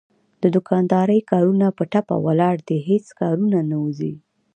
د دوکاندارۍ کارونه په ټپه ولاړ دي هېڅ کارونه نه وځي.